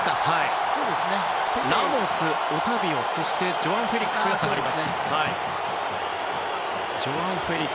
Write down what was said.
ラモス、オタビオジョアン・フェリックスが代わります。